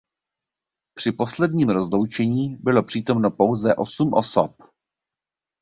Při posledním rozloučení bylo přítomno pouze osm osob.